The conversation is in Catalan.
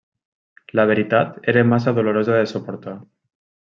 La veritat era massa dolorosa de suportar.